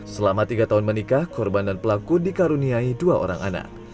selama tiga tahun menikah korban dan pelaku dikaruniai dua orang anak